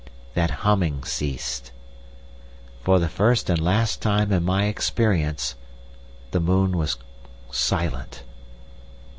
"That humming ceased. "For the first and last time in my experience the moon was silent.